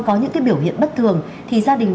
có những cái biểu hiện bất thường thì gia đình